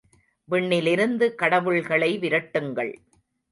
விண்ணிலிருந்து கடவுள்களை விரட்டுங்கள்.